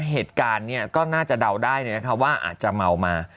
เหตุการณ์เนี้ยก็น่าจะเดาได้เนี้ยนะคะว่าอาจจะเมามา